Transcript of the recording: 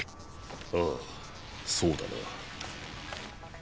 ああそうだな。